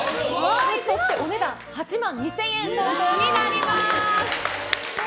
そして、お値段８万２０００円相当になります。